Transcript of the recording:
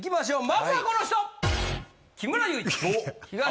まずはこの人！